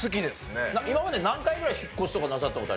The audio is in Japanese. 今まで何回ぐらい引っ越しとかなさった事あります？